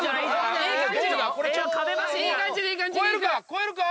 越えるか？